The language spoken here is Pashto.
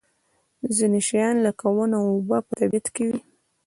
ځینې شیان لکه ونه او اوبه په طبیعت کې وي.